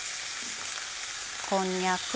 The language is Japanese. こんにゃく。